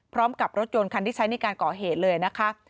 พร้อมกับรถยนต์คันที่ใช้ในการก่อเหตุเลยนะคะ